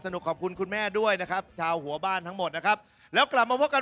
สู้เร่งเมื่อกว่านี้ค่ะแม่ขา